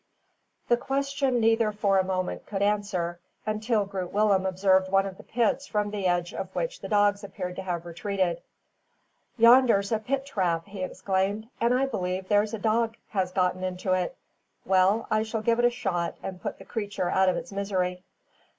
This question neither for a moment could answer, until Groot Willem observed one of the pits from the edge of which the dogs appeared to have retreated. "Yonder's a pit trap!" he exclaimed, "and I believe there's a dog has got into it. Well, I shall give it a shot, and put the creature out of its misery."